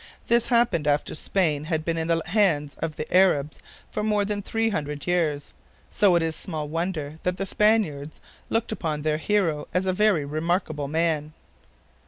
This happened after Spain had been in the hands of the Arabs for more than three hundred years, so it is small wonder that the Spaniards looked upon their hero as a very remarkable man.